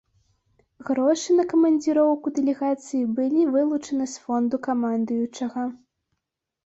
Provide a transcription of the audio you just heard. Грошы на камандзіроўку дэлегацыі былі вылучаны з фонду камандуючага.